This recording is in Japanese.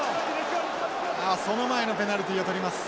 その前のペナルティーを取ります。